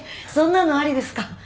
そんなのありですか？